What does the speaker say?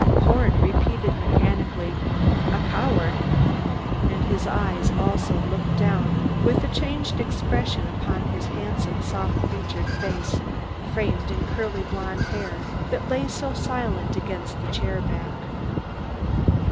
Horn repeated mechanically, "A coward!" and his eyes also looked down with a changed expression upon the handsome, soft featured face, framed in curly blond hair, that lay so silent against the chair back.